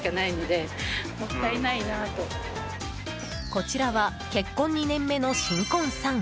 こちらは結婚２年目の新婚さん。